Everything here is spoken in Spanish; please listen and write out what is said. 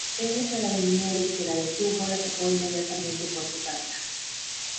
El "carabinieri" que la detuvo la tapó inmediatamente con su capa.